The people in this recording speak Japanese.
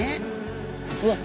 うわっ！